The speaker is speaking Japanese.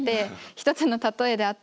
一つの例えであって。